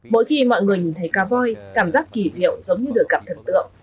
mỗi khi mọi người nhìn thấy cá voi cảm giác kỳ diệu giống như được gặp thần tượng